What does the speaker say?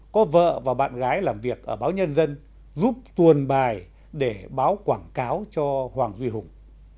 có vợ và bạn gái làm việc ở báo nhân dân giúp tuồn bài để báo quảng cáo cho hoàng duy hùng